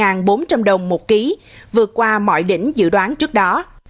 cà phê tăng sốc hơn một bốn trăm linh đồng một ký vượt qua mọi đỉnh dự đoán trước đó